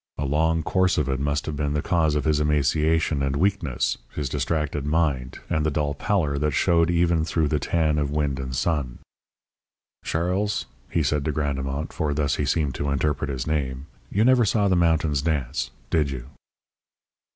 A long course of it must have been the cause of his emaciation and weakness, his distracted mind, and the dull pallor that showed even through the tan of wind and sun. "Charles," he said to Grandemont for thus he seemed to interpret his name "you never saw the mountains dance, did you?"